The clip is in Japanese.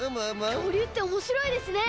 きょうりゅうっておもしろいですね！